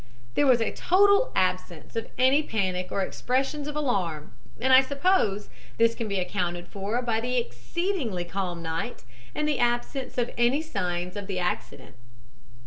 "There was a total absence of any panic or any expressions of alarm, and I suppose this can be accounted for by the exceedingly calm night and the absence of any signs of the accident.